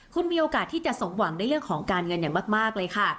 คุณมีโอกาสที่จะสมหวังในเรื่องของการเงินอย่างมากเลยค่ะ